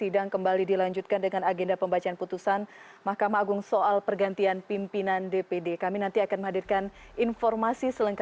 dan melerai anggota dpd yang saling dorong